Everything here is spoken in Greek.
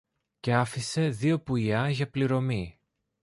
και άφησε δυο πουλιά για πληρωμή.